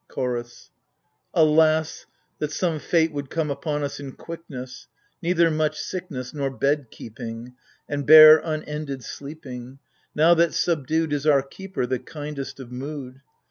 CHOROS. Alas, that some Fate would come Upon us in quickness — Neither much sickness Neither bed keeping — And bear unended sleeping, Now that subdued Is our keeper, the kindest of mood